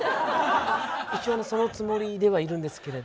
一応そのつもりではいるんですけれど。